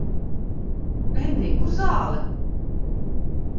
Endij, kur zāle?